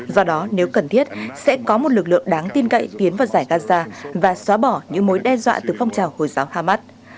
do đó nếu cần thiết sẽ có một lực lượng đáng tin cậy tiến vào giải gaza và xóa bỏ những mối đe dọa từ phong trào hồi giáo hamas